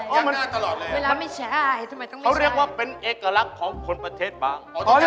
ยักษ์หน้าตลอดเลยเหรอเวลาไม่ใช่ทำไมต้องไม่ใช่เขาเรียกว่าเป็นเอกลักษณ์ของคนประเทศบาง